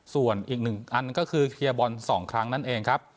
ส่วนอีกหนึ่งอันก็คือเคลียร์บอล๒ครั้งนั่นเองครับ